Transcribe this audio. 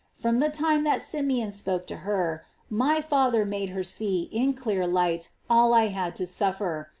From the time that Simeon spoke to her. My Father made her see in clear light all I had to suffer.